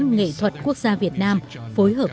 nghệ thuật quốc gia việt nam phối hợp